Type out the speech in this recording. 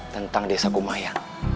tentang desa kumaya